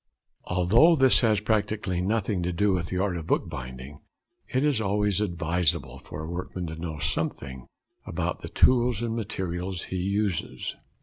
Although this has practically nothing to do with the art of bookbinding, it is always advisable for a workman to know something about the tools and materials he uses.